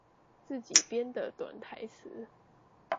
自己編的短台詞